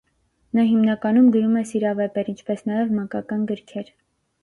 Նա հիմնականում գրում է սիրավեպեր, ինչպես նաև մանկական գրքեր։